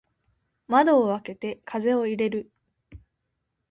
窓を開けて風を入れる。